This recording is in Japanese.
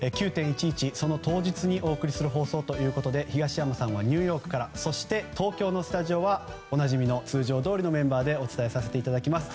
９・１１、その当日にお送りする放送ということで東山さんはニューヨークからそして、東京のスタジオはおなじみの通常どおりのメンバーでお伝えさせていただきます。